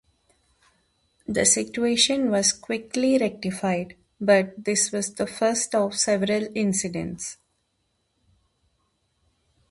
The situation was quickly rectified, but this was the first of several incidents.